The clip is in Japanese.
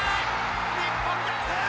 日本逆転！